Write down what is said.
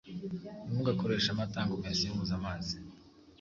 ntimugakoreshe amata ngo muyasimbuze amazi.